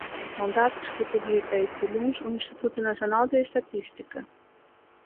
Son datos que publica este luns o Instituto Nacional de Estatística.